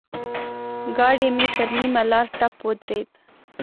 ګاډی مې پر نيمه لاره ټپ ودرېد.